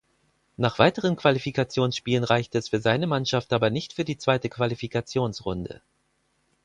Nach weiteren Qualifikationsspielen reichte es für seine Mannschaft aber nicht für die zweite Qualifikationsrunde.